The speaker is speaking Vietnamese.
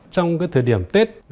trong cái thời điểm tết